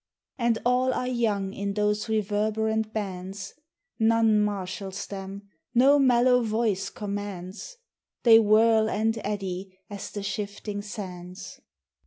And all are young in those reverberant bands ; None marshals them, no mellow voice commands ; They whirl and eddy as the shifting sands.